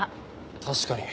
確かに。